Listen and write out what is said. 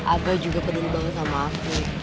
aku juga peduli banget sama aku